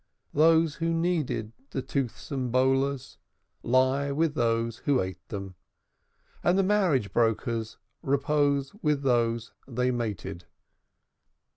Those who kneaded the toothsome "bolas" lie with those who ate them; and the marriage brokers repose with those they mated.